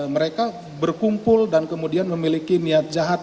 mereka berkumpul dan kemudian memiliki niat jahat